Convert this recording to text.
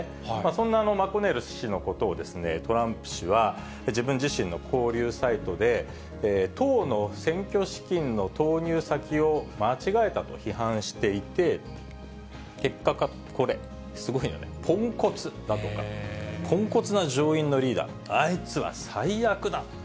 そんなマコネル氏のことを、トランプ氏は、自分自身の交流サイトで、党の選挙資金の投入先を間違えたと批判していて、結果これ、すごいのね、ポンコツだとか、ポンコツな上院のリーダー、あいつは最悪だ！